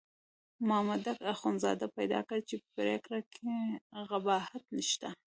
مامدک اخندزاده پیدا کړه چې پرېکړه کې قباحت شته.